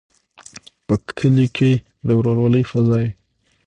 په کلیو کې د ورورولۍ فضا وي.